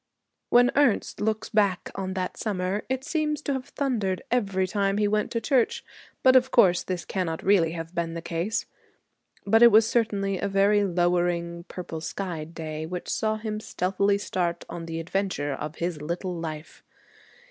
When Ernest looks back on that summer it seems to have thundered every time he went to church. But of course this cannot really have been the case. But it was certainly a very lowering purple skied day which saw him stealthily start on the adventure of his little life.